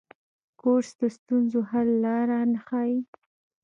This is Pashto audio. کورس د ستونزو حل لاره ښيي.